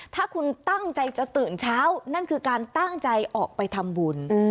ถ้าคุณตั้งใจจะตื่นเช้านั่นคือการตั้งใจออกไปทำบุญ